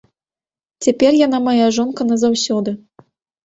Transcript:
Цяпер яна мая жонка назаўсёды.